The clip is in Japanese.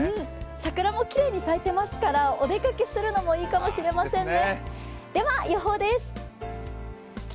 桜もきれいに咲いてますからお出かけするのもいいかもしれませんね。